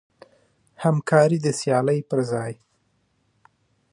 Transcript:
همکاري د سیالۍ پر ځای.